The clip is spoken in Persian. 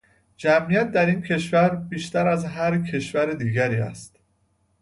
جمعیت در این کشور بیشتر از هر کشور دیگری است.